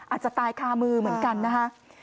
อาจจะตายคามือเหมือนกันนะคะ